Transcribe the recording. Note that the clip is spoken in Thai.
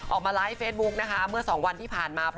ออกมาไลฟ์เฟซบุ๊กนะคะเมื่อ๒วันที่ผ่านมา